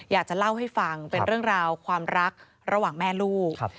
อยากจะเล่าให้ฟังเป็นเรื่องราวความรักระหว่างแม่ลูก